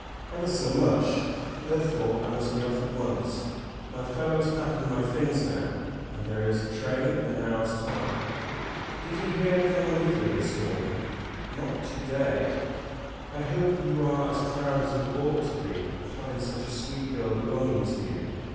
"Ever so much; therefore I must be off at once. My fellow is packing my things now; and there is a train in an hour's time." "Did you hear from Olivia this morning?" "Not to day." "I hope you are as proud as you ought to be of having such a sweet girl belonging to you."